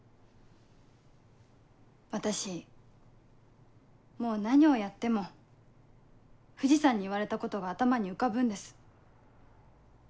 私もう何をやっても藤さんに言われたことが頭に浮かぶんです。